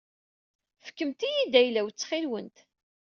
Fkemt-iyi-d ayla-w ttxil-kent.